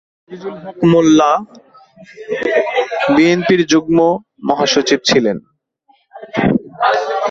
আজিজুল হক মোল্লা বিএনপির যুগ্ম মহাসচিব ছিলেন।